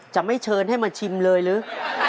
จะไม่เชิญให้มาชิมเลยหรือ